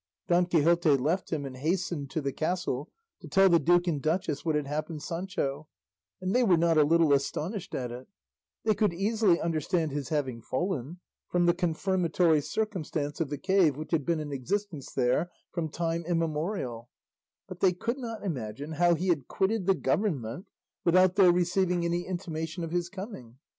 Don Quixote left him, and hastened to the castle to tell the duke and duchess what had happened Sancho, and they were not a little astonished at it; they could easily understand his having fallen, from the confirmatory circumstance of the cave which had been in existence there from time immemorial; but they could not imagine how he had quitted the government without their receiving any intimation of his coming.